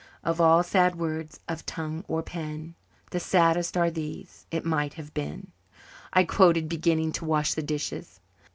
"Of all sad words of tongue or pen, The saddest are these it might have been," I quoted, beginning to wash the dishes.